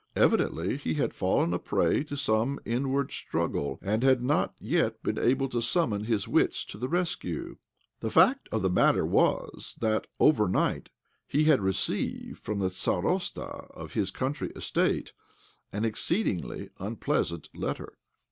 Evidently he had ' fallen a prey to some inward struggle, and had not yet, been able to summon his wits to the rescue. The fact of the matter was that, overnight, he had received from the starosta « of his country estate an exceedingly unpleasant letter.